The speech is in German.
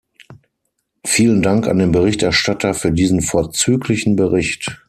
Vielen Dank an den Berichterstatter für diesen vorzüglichen Bericht.